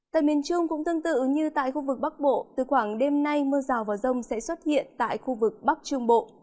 tại miền trung cũng tương tự như tại khu vực bắc bộ từ khoảng đêm nay mưa rào và rông sẽ xuất hiện tại khu vực bắc trung bộ